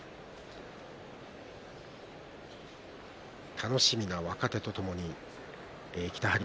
楽しみな若手とともに北はり